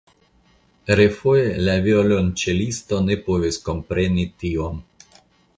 Refoje la violonĉelisto ne povis kompreni tion.